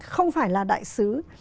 không phải là đại sứ